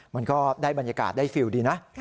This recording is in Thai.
มันก็ได้บรรยากาศได้ฟิลดีนะ